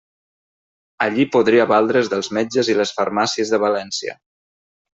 Allí podria valdre's dels metges i les farmàcies de València.